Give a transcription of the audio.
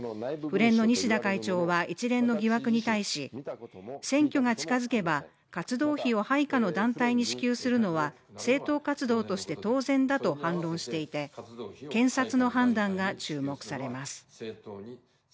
府連の西田会長は一連の疑惑に対し選挙が近づけば活動費を配下の団体に支給するのは政党活動として当然だと反論していて検察の判断が注目されます。